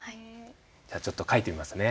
じゃあちょっと書いてみますね。